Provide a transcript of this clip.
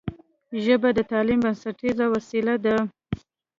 ژبه د تعلیم بنسټیزه وسیله ده